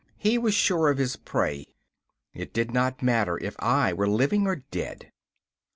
He was sure of his prey; it did not matter if I were living or dead.